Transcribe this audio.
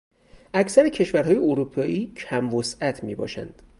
اکثر کشورهای اروپایی کم وسعت میباشند.